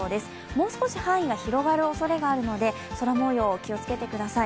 もう少し範囲が広がるおそれがあるので、空もよう気をつけてください。